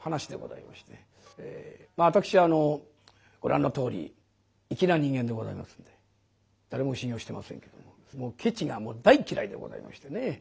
私ご覧のとおり粋な人間でございますんで誰も信用してませんけどもケチがもう大っ嫌いでございましてね。